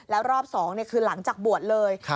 แล้วรอบ๒คือหลังจากบวชเลย